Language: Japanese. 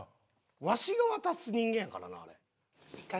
わしが渡す人間やからなあれ。